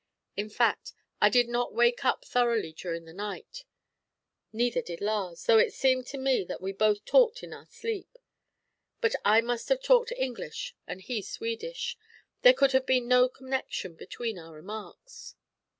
In fact, I did not wake up thoroughly during the night; neither did Lars, though it seemed to me that we both talked in our sleep. But as I must have talked English and he Swedish, there could have been no connection between our remarks.